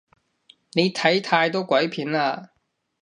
你睇太多鬼片喇